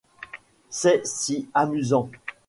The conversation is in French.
C’est si amusant !